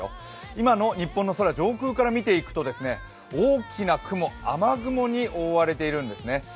今の日本の空、上空から見ていくと大きな雲、雨雲に覆われているんですね。